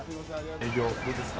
営業どうですか？